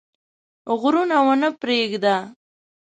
غرونه ونه پرېږده.